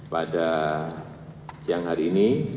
pada siang hari ini